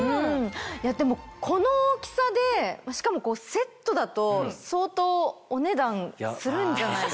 でもこの大きさでしかもセットだと相当お値段するんじゃないですか？